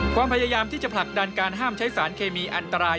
ความพยายามที่จะผลักดันการห้ามใช้สารเคมีอันตราย